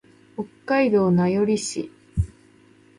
北海道名寄市